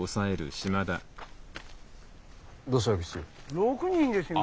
６人ですよね？